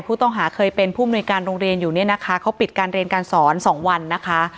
ผู้ต้องหาเคยเป็นผู้มนุยการโรงเรียนอยู่เนี่ยนะคะเขาปิดการเรียนการสอนสองวันนะคะ